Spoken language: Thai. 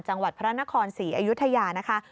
จังหวัดพระนครศรีอยุธยานะคะ